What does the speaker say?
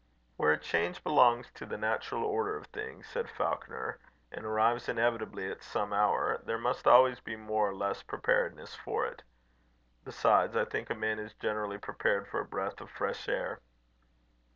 "Where a change belongs to the natural order of things," said Falconer, "and arrives inevitably at some hour, there must always be more or less preparedness for it. Besides, I think a man is generally prepared for a breath of fresh air."